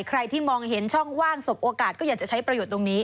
ใครที่มองเห็นช่องว่างสบโอกาสก็อยากจะใช้ประโยชน์ตรงนี้